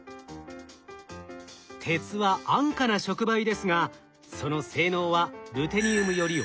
鉄は安価な触媒ですがその性能はルテニウムより劣ります。